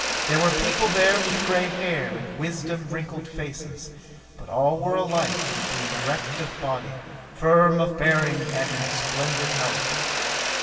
There were people there with gray hair and wisdom wrinkled faces; but all were alike in being erect of body, firm of bearing and in splendid health.